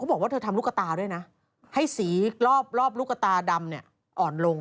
เขาบอกว่าเธอทำลูกกะตาด้วยนะให้สีรอบลูกกะตาดำอ่อนลง